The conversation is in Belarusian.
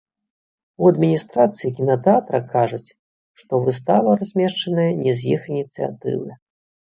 У адміністрацыі кінатэатра кажуць, што выстава размешчаная не з іх ініцыятывы.